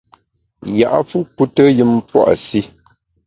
Ya’fu kuteyùm pua’ si.